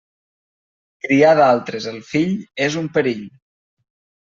Criar d'altres el fill és un perill.